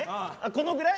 このぐらい？